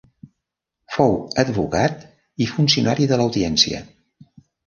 Fou advocat i funcionari de l’Audiència.